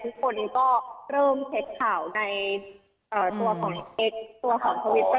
ในตัวของสเต็กตัวของทวิเตอร์